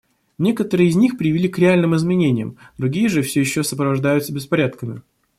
Некоторые из них привели к реальным изменениям, другие же все еще сопровождаются беспорядками.